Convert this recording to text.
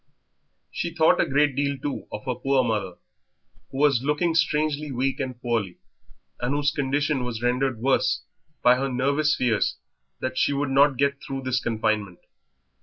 She thought a great deal, too, of her poor mother, who was looking strangely weak and poorly, and whose condition was rendered worse by her nervous fears that she would not get through this confinement.